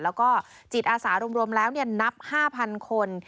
แล้วก็จิตอาสารวมแล้วนับ๕๐๐๐คน